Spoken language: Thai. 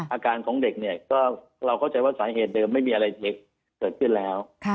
อาการของเด็กเนี่ยก็เราเข้าใจว่าสาเหตุเดิมไม่มีอะไรเทคเกิดขึ้นแล้ว